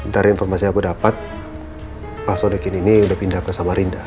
dari informasi yang aku dapat pak sodikin ini udah pindah ke semarinda